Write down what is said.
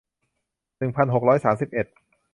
หนึ่งพันหกร้อยสามสิบเอ็ด